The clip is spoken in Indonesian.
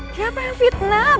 kenapa kamu mau fitnah adi